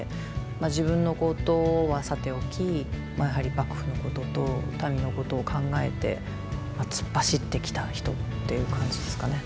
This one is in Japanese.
自分のことはさておきやはり幕府のことと民のことを考えて突っ走ってきた人っていう感じですかね。